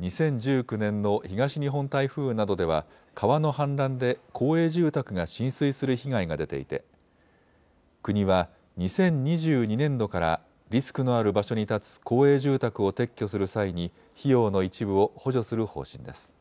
２０１９年の東日本台風などでは川の氾濫で公営住宅が浸水する被害が出ていて国は２０２２年度からリスクのある場所に建つ公営住宅を撤去する際に費用の一部を補助する方針です。